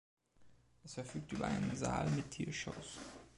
Es verfügt über einen Saal mit Tiershows.